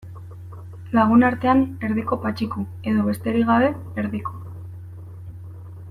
Lagunartean, Erdiko Patxiku edo, besterik gabe, Erdiko.